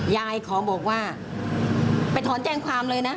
ยายขอบอกว่าไปถอนแจ้งความเลยนะ